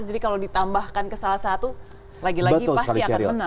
jadi kalau ditambahkan ke salah satu lagi lagi pasti akan menang